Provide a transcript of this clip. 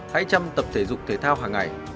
hãy chăm tập thể dục thể thao hàng ngày